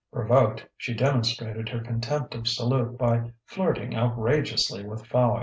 Provoked, she demonstrated her contempt of Salute by flirting outrageously with Fowey.